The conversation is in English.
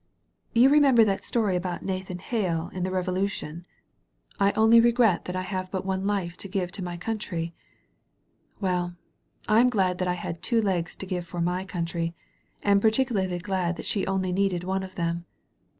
You remember that story about Nathan Hale in the ^3 THE VALLEY OF VISION Revolution — *I only regret that I have but one life to give to my country.* Well, I'm glad that I had two legs to give for my country, and par ticularly glad that she only needed one of them.'